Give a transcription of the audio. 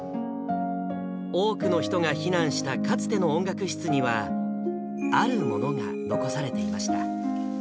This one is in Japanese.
多くの人が避難したかつての音楽室には、あるものが残されていました。